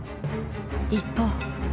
一方。